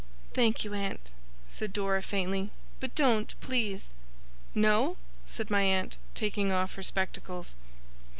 'Thank you, aunt,' said Dora, faintly. 'But don't, please!' 'No?' said my aunt, taking off her spectacles.